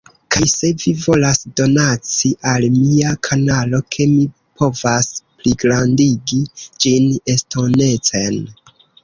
Kaj se vi volas donaci al mia kanalo ke mi povas pligrandigi ĝin estonecen